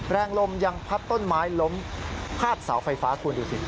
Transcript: แรงลมยังพัดต้นไม้ล้มพาดเสาไฟฟ้าคุณดูสิ